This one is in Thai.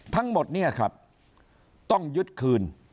ทั้งหมดเนี่ยครับต้องยึดคืน